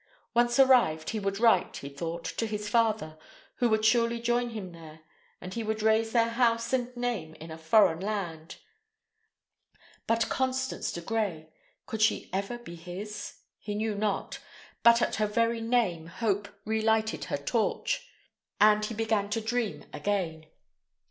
Once arrived, he would write, he thought, to his father, who would surely join him there, and they would raise their house and name in a foreign land. But Constance de Grey could she ever be his? He knew not; but at her very name Hope relighted her torch, and he began to dream again.